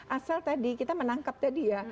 asal tadi kita menangkap dia